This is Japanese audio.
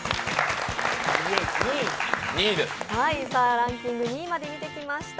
ランキング２位まで見てきました。